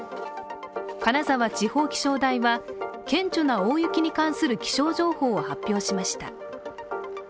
金沢地方気象台は顕著な大雪に関する気象情報を発表しました。